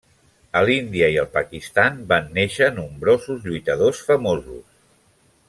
A l'Índia i el Pakistan van néixer nombrosos lluitadors famosos.